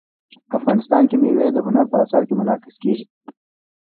افغانستان کې مېوې د هنر په اثار کې منعکس کېږي.